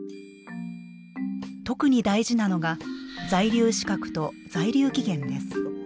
特に大事なのが在留資格と在留期限です。